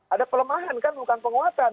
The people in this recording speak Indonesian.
ada pelemahan kan bukan penguatan